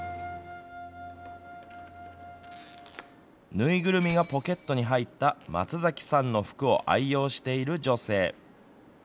縫いぐるみがポケットに入った松崎さんの服を愛用している女性。